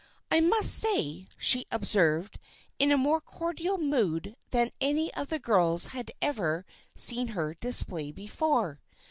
"I must say," she observed, in a more cordial mood than any of the girls had ever seen her display before.